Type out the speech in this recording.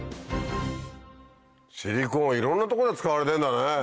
シリコーンはいろんなとこで使われてるんだね。